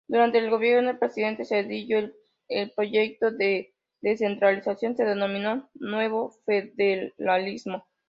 Durante el gobierno del presidente Zedillo el proyecto de descentralización se denominó "Nuevo federalismo".